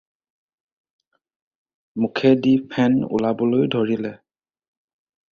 মুখে দি ফেন ওলাবলৈ ধৰিলে।